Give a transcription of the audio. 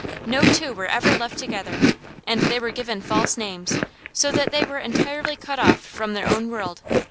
No two were ever left together; and they were given false names, so that they were entirely cut off from their own world.